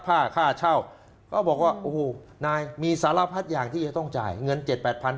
ผ้าค่าเช่าก็บอกว่านายมีสารพัฒน์อย่างที่ต้องจ่ายเงิน๗๘พัน